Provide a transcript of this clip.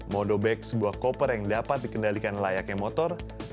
modo bag sebuah koper yang dapat dikendalikan layaknya motor